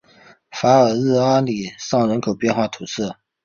法尔日阿利尚人口变化图示